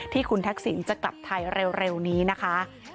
ที่คุณทักษิณจะกลับไทยเร็วนี้นะคะ